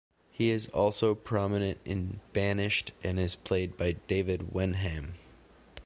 He is also prominent in "Banished" and is played by David Wenham.